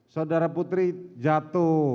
saudara putri jatuh